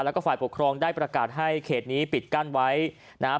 แล้วก็ฝ่ายปกครองได้ประกาศให้เขตนี้ปิดกั้นไว้นะครับ